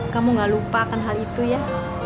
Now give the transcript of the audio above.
kamu gak lupakan hal itu ya